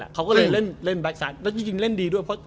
เขาก็เลยเล่นแบบแบบซ้ายแล้วก็จริงเล่นดีด้วย